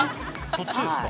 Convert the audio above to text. そっちですか。